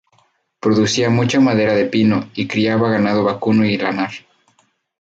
Producía mucha madera de pino y criaba ganado vacuno y lanar.